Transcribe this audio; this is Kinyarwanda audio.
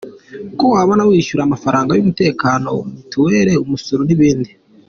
Ko wabona wishyura amafaranga yumutekano, mutwel, umusoro nibindi,.